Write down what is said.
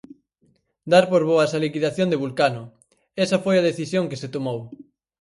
Dar por boa esa liquidación de Vulcano, esa foi a decisión que se tomou.